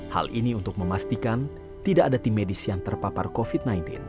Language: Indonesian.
hal ini untuk memastikan tidak ada tim medis yang terpapar covid sembilan belas